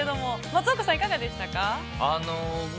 松岡さん、いかがでしたか。